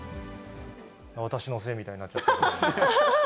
私のせいみたいになっちゃった。